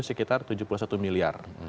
sekitar tujuh puluh satu miliar